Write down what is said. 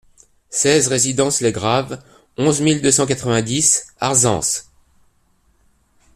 seize résidence Les Graves, onze mille deux cent quatre-vingt-dix Arzens